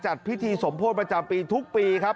จัดพิธีสมโพธิประจำปีทุกปีครับ